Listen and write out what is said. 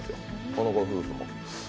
この夫婦も。